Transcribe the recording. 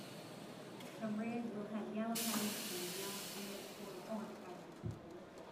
Some reds will have yellow patterns, some yellows red or orange patterns.